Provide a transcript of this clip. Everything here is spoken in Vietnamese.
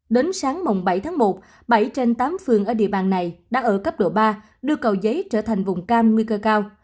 đến sáng mùng bảy tháng một bảy trên tám phương ở địa bàn này đang ở cấp độ ba đưa cầu giấy trở thành vùng cam nguy cơ cao